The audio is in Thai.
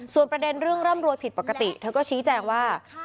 ส่วนประเด็นเรื่องร่ำรวยผิดปกติเธอก็ชี้แจงว่า